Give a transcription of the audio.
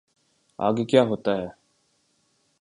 آگے کیا ہوتا ہے۔